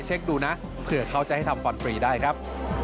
ดูนะเผื่อเขาจะให้ทำฟันฟรีได้ครับ